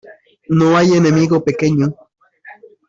No hay enemigo pequeño.